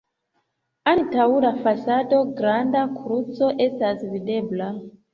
Antaŭ la fasado granda kruco estas videbla.